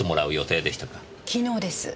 昨日です。